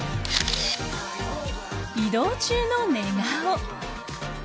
移動中の寝顔。